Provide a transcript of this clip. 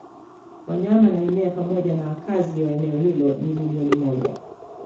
wanyama na mimea pamoja nawakazi wa eneo hilo ni milioni moja